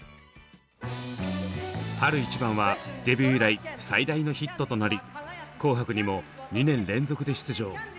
「春一番」はデビュー以来最大のヒットとなり「紅白」にも２年連続で出場。